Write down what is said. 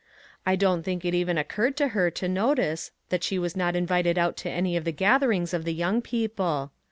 I don't think it even occurred to her to notice that she was not invited out to any of the gatherings of the young people.